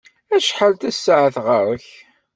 Acḥal tasaɛet ɣer-k?